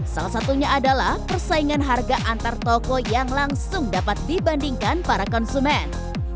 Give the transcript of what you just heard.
salah satunya adalah persaingan harga antar toko yang langsung dapat dibandingkan para konsumen